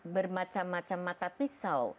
bermacam macam mata pisau